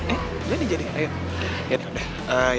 eh udah dijadikan ayo